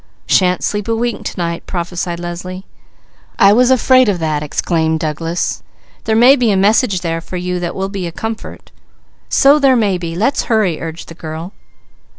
"Shan't sleep a wink to night!" prophesied Leslie. "I was afraid of that!" exclaimed Douglas. "There may be a message there for you that will be a comfort." "So there may be! Let's hurry!" urged the girl.